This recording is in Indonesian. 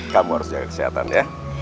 kamu harus jaga kesehatan ya